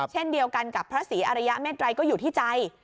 เช่นเดียวกันกับพระศรีอริยเมตรัยก็อยู่ที่ใจ